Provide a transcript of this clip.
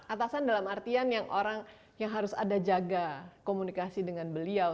atasan dalam artian yang orang yang harus ada jaga komunikasi dengan beliau